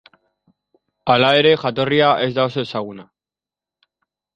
Hala ere jatorria ez da oso ezaguna.